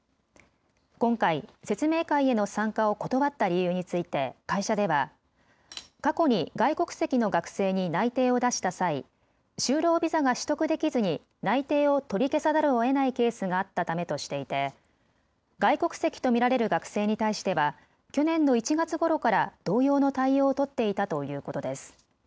今回、説明会への参加を断った理由について会社では過去に外国籍の学生に内定を出した際、就労ビザが取得できずに内定を取り消さざるをえないケースがあったためとしていて外国籍と見られる学生に対しては去年の１月ごろから同様の対応を取っていたということです。